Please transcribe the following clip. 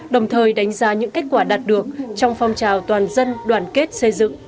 đồng thời đánh giá những kết quả đạt được trong phong trào toàn dân đoàn kết xây dựng